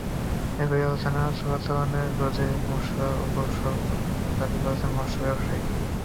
একই আলোচনায় চোরাচালানরোধে মসলার ওপর শুল্ক কমানোর দাবি করেছেন মসলা ব্যবসায়ীরা।